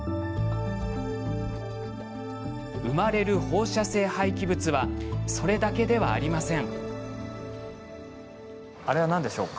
生まれる放射性廃棄物はそれだけではありません。